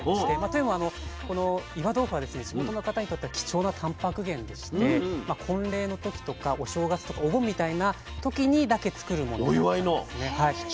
というのはこの岩豆腐は地元の方にとっては貴重なたんぱく源でして婚礼の時とかお正月とかお盆みたいな時にだけ作るものなんですね。